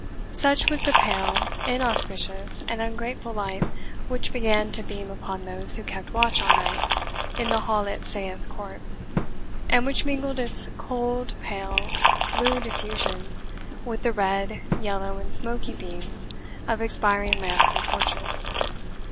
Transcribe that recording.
Such was the pale, inauspicious, and ungrateful light which began to beam upon those who kept watch all night in the hall at Sayes Court, and which mingled its cold, pale, blue diffusion with the red, yellow, and smoky beams of expiring lamps and torches.